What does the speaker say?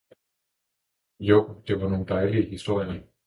Jo, det var nogle dejlige historier!